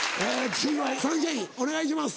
次はサンシャインお願いします。